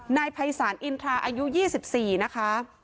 นายภัยศาลอินทราอายุ๒๔นะคะ